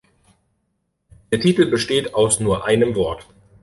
Der Titel besteht aus nur einem Wort.